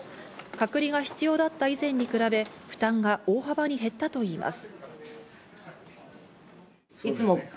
隔離が必要だった以前に比べ、負担が大幅に減ったといいます。